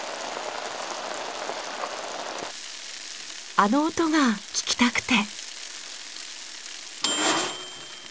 あの音が聞きたくて。